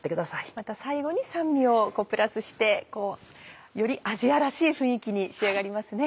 また最後に酸味をプラスしてよりアジアらしい雰囲気に仕上がりますね。